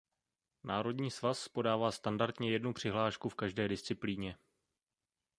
Národní svaz podává standardně jednu přihlášku v každé disciplíně.